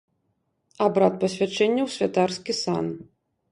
Абрад пасвячэння ў святарскі сан.